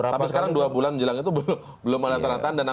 tapi sekarang dua bulan menjelang itu belum ada tanda tanda